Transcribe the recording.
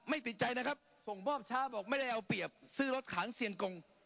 ติดใจนะครับส่งมอบช้าบอกไม่ได้เอาเปรียบซื้อรถขานเซียนกง